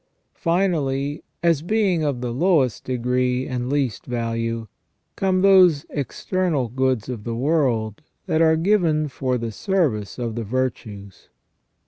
Finally, as being of the lowest degree and least value, come those external goods of the world that are given for the service of the virtues.